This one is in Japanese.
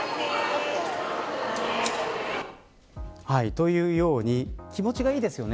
というように気持ちがいいですよね。